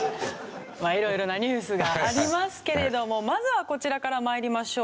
まあ色々なニュースがありますけれどもまずはこちらから参りましょう。